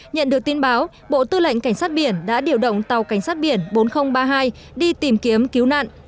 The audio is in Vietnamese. nhận được tin báo bộ tư lệnh cảnh sát biển đã điều động tàu cảnh sát biển bốn nghìn ba mươi hai đi tìm kiếm cứu nạn